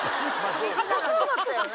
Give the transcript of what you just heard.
硬そうだったよね。